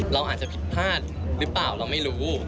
เราอาจจะผิดพลาดหรือเปล่าเราไม่รู้